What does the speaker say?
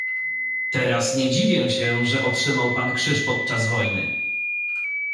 "Teraz nie dziwię się, że otrzymał pan krzyż podczas wojny."